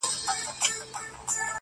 چي یوازي وه ککړي یې وهلې -